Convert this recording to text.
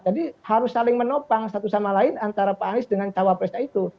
jadi harus saling menopang satu sama lain antara pak anies dengan cawapresnya itu